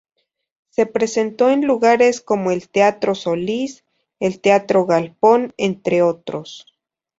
Se presentó en lugares como el Teatro Solís, el Teatro Galpón, entre otros.